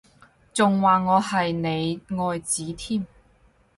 仲話我係你愛子添？